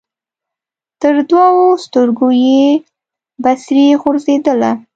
تر دوو سترګو یې بڅري غورځېدله